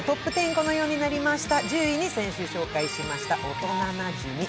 このようになりました。